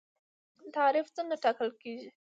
تعرفه څنګه ټاکل کیږي؟